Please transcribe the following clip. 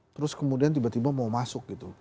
terus kemudian tiba tiba mau masuk gitu